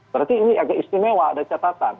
berarti ini agak istimewa ada catatan